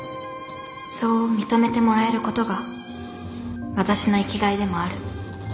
そう認めてもらえることが私の生きがいでもある。